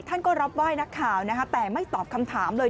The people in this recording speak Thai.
ท่านก็รับไหว้นักข่าวนะคะแต่ไม่ตอบคำถามเลย